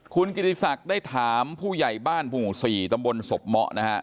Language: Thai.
คุณกิริสักษ์ได้ถามผู้ใหญ่บ้านภูมิศรีตำบลสบหมะนะฮะ